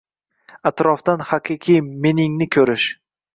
atrofdan haqiqiy «Men»ingni ko‘rish...